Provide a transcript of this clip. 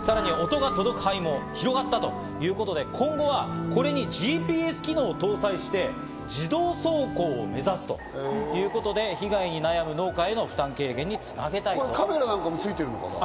さらに音が届く範囲も広がったということで、今後はこれにＧＰＳ機能を搭載して、自動走行を目指すということで被害に悩む農家への負担軽減に繋げたいとしています。